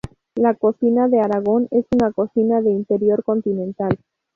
La cocina de Aragón es una cocina de interior, continental.